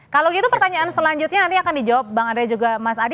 kalau gitu pertanyaan selanjutnya nanti akan dijawab bang andre juga mas adi